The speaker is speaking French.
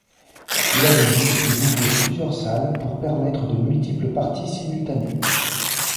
Il a donc décidé d'ouvrir plusieurs salles pour permettre de multiples parties simultanées.